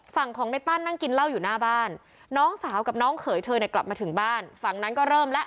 ฝั่งของในปั้นนั่งกินเหล้าอยู่หน้าบ้านน้องสาวกับน้องเขยเธอเนี่ยกลับมาถึงบ้านฝั่งนั้นก็เริ่มแล้ว